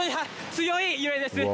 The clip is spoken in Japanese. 強い揺れです